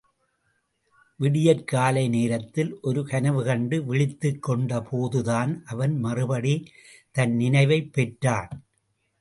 விடியற் காலை நேரத்தில் ஒரு கனவு கண்டு விழித்துக் கொண்ட போதுதான் அவன் மறுபடி தன் நினைவைப் பெற்றான்.